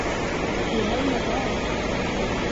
Du har inga barn.